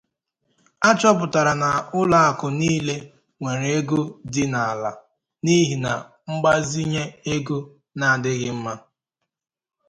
Achọpụtara na ụlọ akụ niile nwere ego dị ala n'ihi mgbazinye ego na-adịghị mma.